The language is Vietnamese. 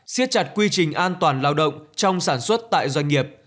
siết chặt quy trình an toàn lao động trong sản xuất tại doanh nghiệp